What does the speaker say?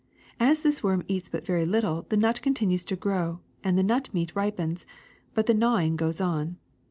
As this worm eats but very little the nut continues to grow and the nut meat ripens; but the gnawing goes on.